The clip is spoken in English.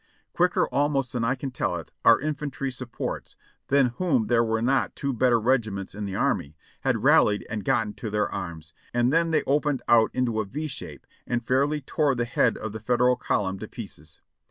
Quicker almost than I can tell it, our infantry supports, than whom there were not two better regiments in the Army, had rallied and gotten to their arms, and then they opened out into a V shape, and fairly tore the head of the Federal column to pieces.